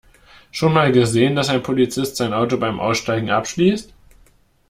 Schon mal gesehen, dass ein Polizist sein Auto beim Aussteigen abschließt?